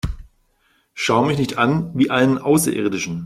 Schau mich nicht an wie einen Außerirdischen!